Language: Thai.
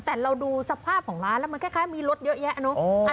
แต่เราดูสภาพของร้านแล้วมันคล้ายมีรถเยอะแยะเนอะ